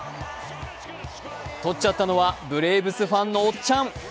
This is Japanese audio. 取っちゃったのはブレーブスファンのおっちゃん。